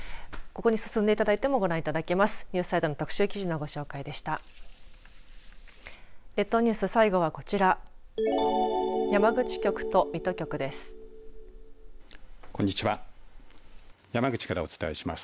ここに進んでいただいてもご覧いただけます。